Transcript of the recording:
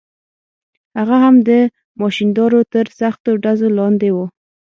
هغه هم د ماشیندارو تر سختو ډزو لاندې و.